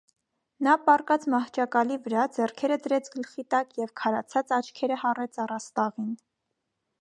Նա պառկած մահճակալի վրա, ձեռքերը դրեց գլխի տակ և քարացած աչքերը հառեց առաստաղին: